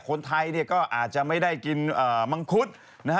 คนไทยเนี่ยก็อาจจะไม่ได้กินมังคุดนะฮะ